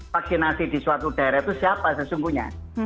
vaksinasi di suatu daerah itu siapa sesungguhnya